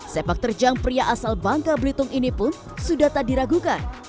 sepak terjang pria asal bangka belitung ini pun sudah tak diragukan